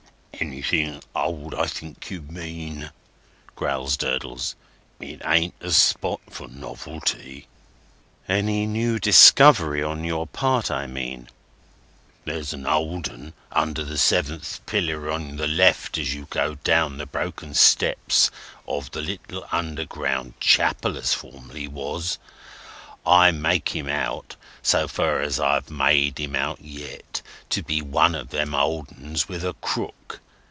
"Anything old, I think you mean," growls Durdles. "It ain't a spot for novelty." "Any new discovery on your part, I meant." "There's a old 'un under the seventh pillar on the left as you go down the broken steps of the little underground chapel as formerly was; I make him out (so fur as I've made him out yet) to be one of them old 'uns with a crook.